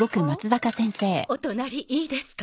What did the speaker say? お隣いいですか？